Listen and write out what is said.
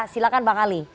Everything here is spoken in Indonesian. silahkan pak ali